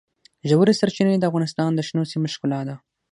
ژورې سرچینې د افغانستان د شنو سیمو ښکلا ده.